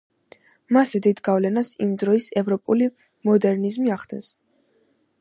მასზე დიდ გავლენას იმ დროის ევროპული მოდერნიზმი ახდენს.